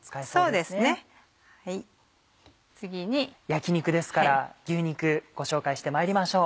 焼き肉ですから牛肉ご紹介してまいりましょう。